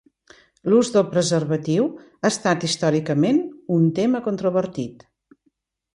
L'ús del preservatiu ha estat històricament un tema controvertit.